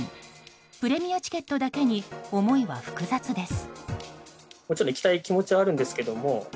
プレミアチケットだけに思いは複雑です。